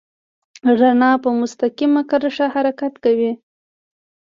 رڼا په مستقیمه کرښه حرکت کوي.